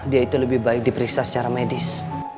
dia itu lebih baik diperiksa secara medis